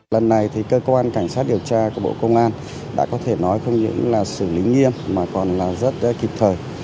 lần này thì cơ quan cảnh sát điều tra của bộ công an đã có thể nói không những là xử lý nghiêm mà còn là rất kịp thời